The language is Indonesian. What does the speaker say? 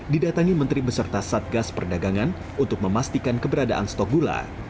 didatangi menteri beserta satgas perdagangan untuk memastikan keberadaan stok gula